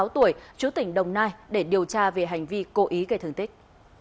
ba mươi tuổi chú tỉnh đồng nai để điều tra về hành vi cố ý gây thương tích